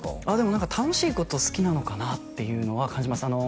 あっでも楽しいこと好きなのかなっていうのは感じます